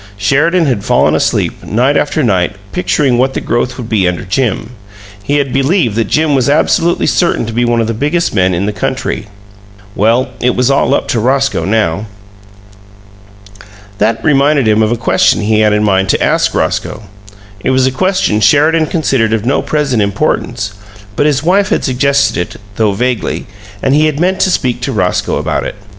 Sheridan had fallen asleep, night after night, picturing what the growth would be under Jim. He had believed that Jim was absolutely certain to be one of the biggest men in the country. Well, it was all up to Roscoe now! That reminded him of a question he had in mind to ask Roscoe. It was a question Sheridan considered of no present importance, but his wife had suggested it though vaguely and he had meant to speak to Roscoe about it.